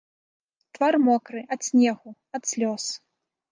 Твар мокры ад снегу, ад слёз.